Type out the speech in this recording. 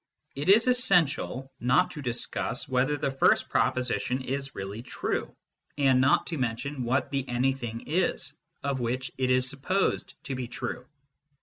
It is essential not to discuss whether the first proposition is really true, and not to mention what the anything is, of which it is supposed to be true.